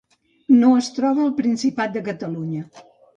No es troba al Principat de Catalunya.